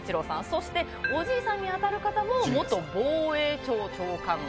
そしておじいさんに当たる方も防衛庁長官で。